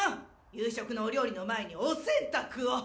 夕食のお料理の前にお洗濯を！